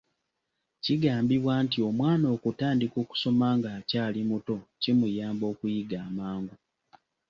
Kigambibwa nti omwana okutandika okusoma nga akyali muto kimuyamba okuyiga amangu.